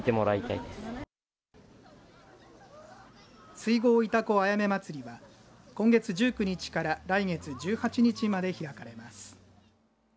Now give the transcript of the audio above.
水郷潮来あやめまつりは今月１９日から来月１８日まで開かれます。